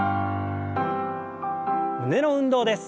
胸の運動です。